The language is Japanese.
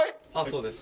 そうです。